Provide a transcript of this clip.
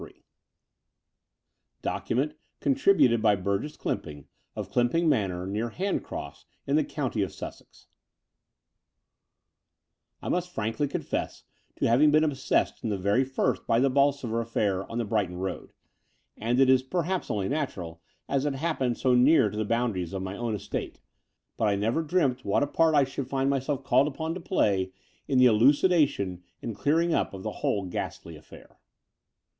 VI DOCUMENT Contributed by Burgess Clymping, of Clymp ing Manor, near Handcross, in the County of Sussex I must frankly confess to having been obsessed from the very first by the Bolsover affair on the Brighton Road, and it is perhaps only natural, as it happened so near to the boundaries of my own The Brighton Road 41 estate: but I never dreamt what a part I shotild find myself called upon to play in the elucidation and clearing up of the whole ghastly aflEair.